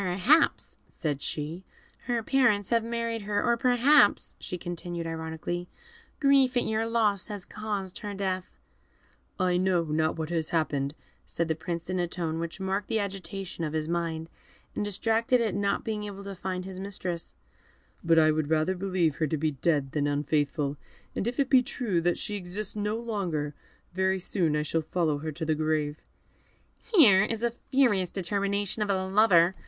"Perhaps," said she, "her parents have married her; or perhaps," she continued, ironically, "grief at your loss has caused her death." "I know not what has happened," said the Prince, in a tone which marked the agitation of his mind, and distracted at not being able to find his mistress; "but I would rather believe her to be dead than unfaithful; and if it be true that she exists no longer, very soon I shall follow her to the grave." "Here is a furious determination of a lover!"